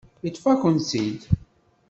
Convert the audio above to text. Yeṭṭef-akent-tt-id.